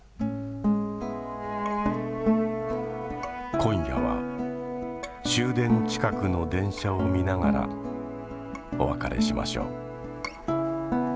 今夜は終電近くの電車を見ながらお別れしましょう。